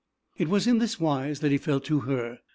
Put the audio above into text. It was in this wise that he felt to her.